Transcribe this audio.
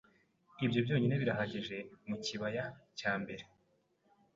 Ibyo byonyine birahagije mu kibaya cya mbere